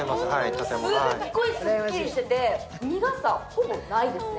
すっごいすっきりしてて、苦さはほぼないですね。